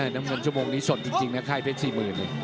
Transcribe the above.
น้ำเงินชั่วโมงนี้สดจริงนะค่ายเพชร๔๐๐๐บาท